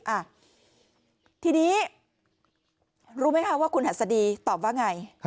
อ่ะทีนี้รู้ไหมคะว่าคุณหัสดีตอบว่าไง